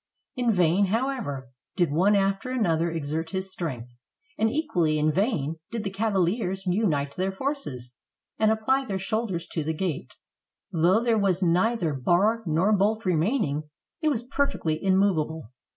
In vain, however, did one after another exert his strength, and equally in vain did the cavaliers unite their forces, and apply their shoulders to the gate; though there was neither bar nor bolt remaining, it was perfectly immov able.